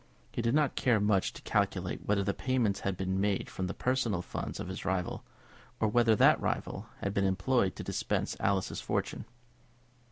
He did not care much to calculate whether the payments had been made from the personal funds of his rival, or whether that rival had been employed to dispense Alice's fortune.